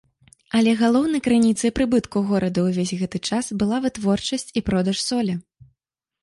Але галоўнай крыніцай прыбытку горада ўвесь гэты час была вытворчасць і продаж солі.